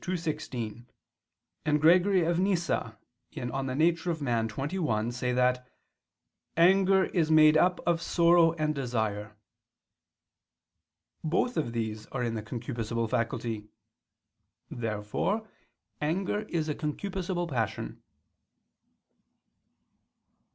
ii, 16) and Gregory of Nyssa [*Nemesius, De Nat. Hom. xxi.] say that "anger is made up of sorrow and desire." Both of these are in the concupiscible faculty. Therefore anger is a concupiscible passion.